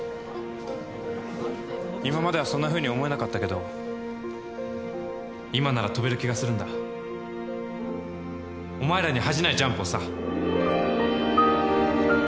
今まではそんなふうに思えなかったけど今なら跳べる気がするんだお前らに恥じないジャンプをさ。